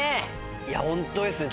いやホントですね